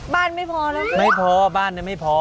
ไม่พอแล้วไม่พอบ้านเนี่ยไม่พอ